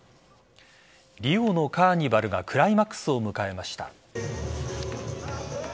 リオのカーニバルがクライマックスを迎えました。